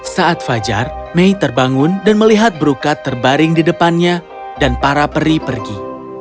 saat fajar mei terbangun dan melihat berukat terbaring di depannya dan para peri pergi